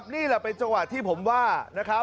นี่แหละเป็นจังหวัดที่ผมว่า